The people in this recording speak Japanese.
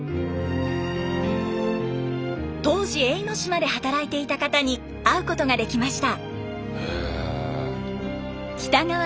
当時永ノ島で働いていた方に会うことができました。